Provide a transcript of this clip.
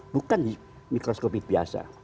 bukan di mikroskopik biasa